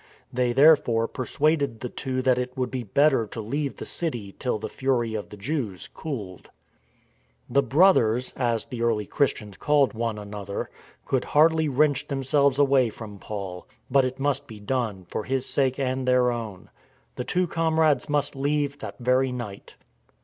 They, therefore, persuaded the two that it would be better to leave the city till the fury of the Jews cooled. THE GOAD OF GOD 205 The Brothers (as the early Christians called one another) could hardly wrench themselves away from Paul. But it must be done, for his sake and their own. The two comrades must leave that very night.